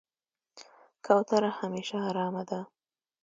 کوتره همیشه آرامه ده.